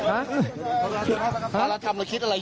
า้งราาถมรครรภาพนี้คับ